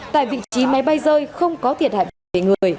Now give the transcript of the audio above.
tại vị trí máy bay rơi không có thiệt hại về người